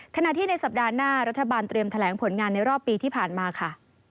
ขณะที่ในสัปดาห์หน้ารัฐบาลเตรียมแถลงผลงานในรอบปีที่ผ่านมาค่ะ